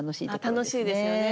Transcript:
楽しいですよね。